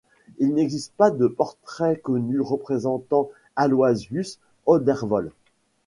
Il n'existe pas de portrait connu représentant Aloysius Odervole.